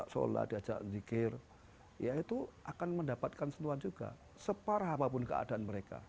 padahal orang dengan gangguan jiwa bisa dipulihkan